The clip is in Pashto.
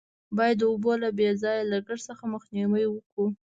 باید د اوبو له بې ځایه لگښت څخه مخنیوی وکړو.